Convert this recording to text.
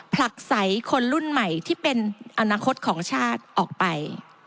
ผลักใสคนรุ่นใหม่ที่เป็นอนาคตของชาติออกไป